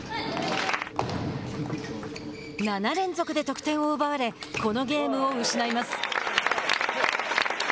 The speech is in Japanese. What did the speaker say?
７連続で得点を奪われこのゲームを失います。